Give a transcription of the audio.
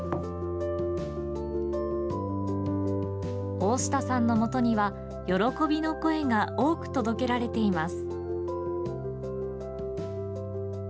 大下さんのもとには喜びの声が多く届けられています。